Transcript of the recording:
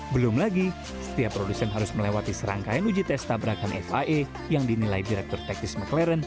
belum lagi setiap produsen harus melewati serangkaian uji tes tabrakan fia yang dinilai direktur teknis mclaren